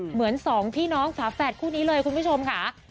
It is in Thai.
เหมือนสองพี่น้องฝาแฝดคู่นี้เลยคุณผู้ชมค่ะ